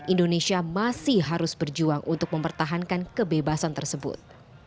indonesia masih harus berjuang untuk mempertahankan kebebasan tersebut